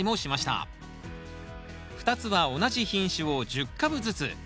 ２つは同じ品種を１０株ずつ。